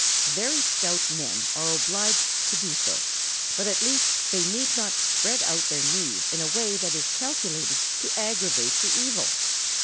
] Very stout men are obliged to do so, but at least they need not spread out their knees in a way that is calculated to aggravate the evil.